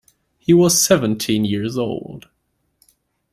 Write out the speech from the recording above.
He was seventeen years old.